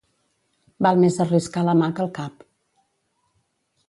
Val més arriscar la mà que el cap.